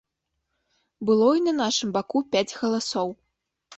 Было і на нашым баку пяць галасоў.